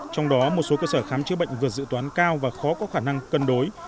trong đó một số cơ sở khám chữa bệnh vượt dự toán cao và khó có khả năng cân đối